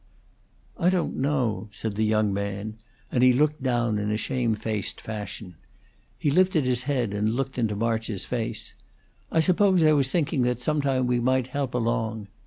"I don't know," said the young man; and he looked down in a shamefaced fashion. He lifted his head and looked into March's face. "I suppose I was thinking that some time we might help along.